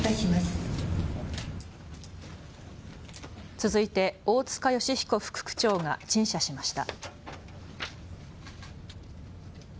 続いて大塚善彦副区長が陳謝しました。